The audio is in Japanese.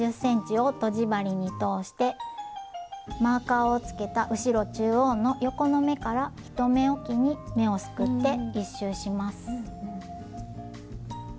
マーカーをつけた後ろ中央の横の目から１目おきに目をすくって１周します。